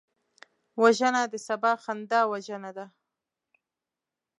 وژنه د سبا خندا وژنه ده